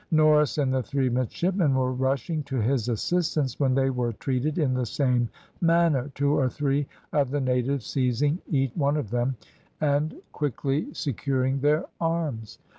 Norris and the three midshipmen were rushing to his assistance when they were treated in the same manner, two or three of the natives seizing each one of them, and quickly securing their arms.